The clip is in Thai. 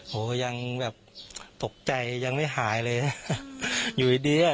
โหยังแบบตกใจยังไม่หายเลยนะอยู่ดีอ่ะ